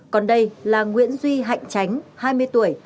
còn đây là nguyễn duy hạnh tránh hai mươi tuổi